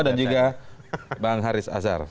dan juga bang haris azhar